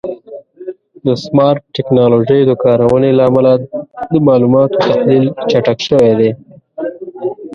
د سمارټ ټکنالوژیو د کارونې له امله د معلوماتو تحلیل چټک شوی دی.